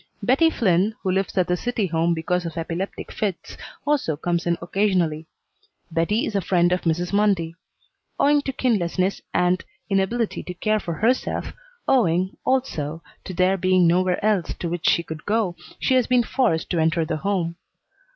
Bettie Flynn, who lives at the City Home because of epileptic fits, also comes in occasionally. Bettie is a friend of Mrs. Mundy. Owing to kinlessness and inability to care for herself, owing, also, to there being nowhere else to which she could go, she has been forced to enter the Home.